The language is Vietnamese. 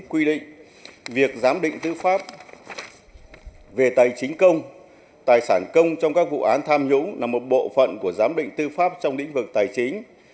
quy định việc giám định tư pháp về tài chính công tài sản công trong các vụ án tham nhũng là một bộ phận của giám định tư pháp trong lĩnh vực tài chính